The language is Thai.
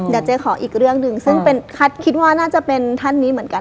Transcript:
เดี๋ยวเจ๊ขออีกเรื่องหนึ่งซึ่งคิดว่าน่าจะเป็นท่านนี้เหมือนกัน